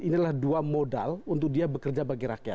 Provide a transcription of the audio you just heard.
inilah dua modal untuk dia bekerja bagi rakyat